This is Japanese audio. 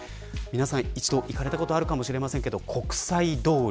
皆さん一度は行かれたことがあるかもしれません、国際通り。